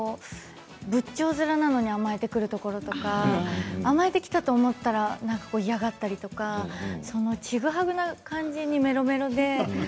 仏頂面なのに甘えてくるところとか甘えてきたと思ったら嫌がったりとかちぐはぐな感じにメロメロで。